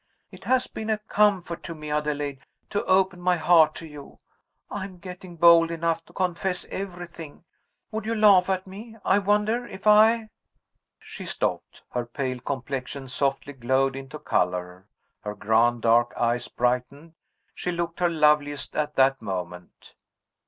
It has been a comfort to me, Adelaide, to open my heart to you. I am getting bold enough to confess everything. Would you laugh at me, I wonder, if I ?" She stopped. Her pale complexion softly glowed into color; her grand dark eyes brightened she looked her loveliest at that moment.